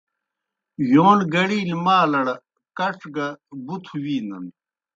یون گڑیلیْ مالَڑ کڇ گہ بُتھوْ وِینَن۔